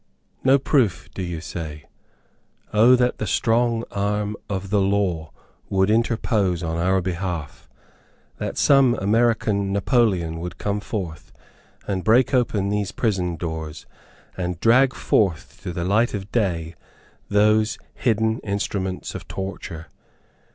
No proof do you say? O, that the strong arm of the law would interpose in our behalf! that some American Napoleon would come forth, and break open those prison doors, and drag forth to the light of day those hidden instruments of torture!